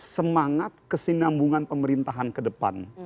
semangat kesinambungan pemerintahan kedepan